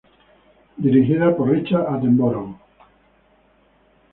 Dirigida por Richard Attenborough.